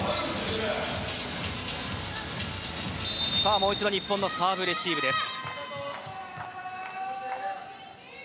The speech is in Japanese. もう一度日本のサーブレシーブです。